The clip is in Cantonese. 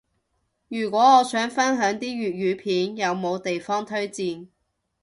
如果我想分享啲粵語片，有冇地方推薦？